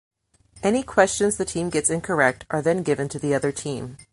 Any questions the team gets incorrect are then given to the other team.